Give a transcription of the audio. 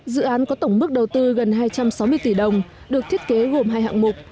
dự án có tổng mức đầu tư gần hai trăm sáu mươi tỷ đồng được thiết kế gồm hai hạng mục